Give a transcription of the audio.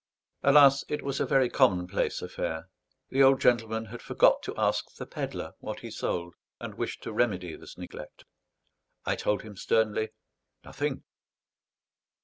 Alas, it was a very commonplace affair. The old gentleman had forgot to ask the pedlar what he sold, and wished to remedy this neglect. I told him sternly, "Nothing."